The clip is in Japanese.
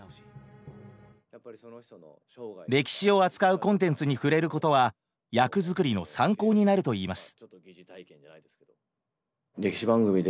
歴史を扱うコンテンツに触れることは役作りの参考になるといいます。